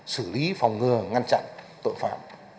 xử lý phòng ngừa ngăn chặn tội phạm